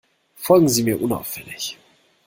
Folgen Sie mir unauffällig.